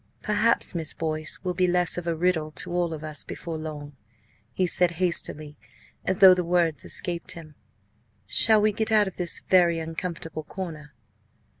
"Perhaps Miss Boyce will be less of a riddle to all of us before long!" he said hastily, as though the words escaped him. "Shall we get out of this very uncomfortable corner?"